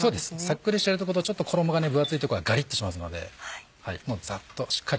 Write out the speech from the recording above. サックリしちゃうとことちょっと衣が分厚いとこはガリってしますのでもうざっとしっかり。